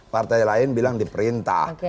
partai lain bilang di perintah